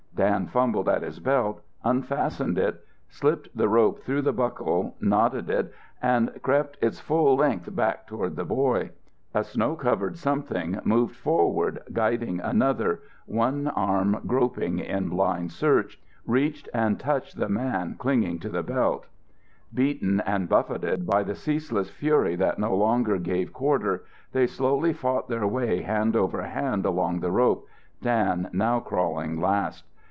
Dan fumbled at his belt, unfastened it, slipped the rope through the buckle, knotted it and crept its full length back toward the boy. A snow covered something moved forward guiding another, one arm groping in blind search, reached and touched the man clinging to the belt. Beaten and buffeted by the ceaseless fury that no longer gave quarter, they slowly fought their way hand over hand along the rope, Dan now crawling last.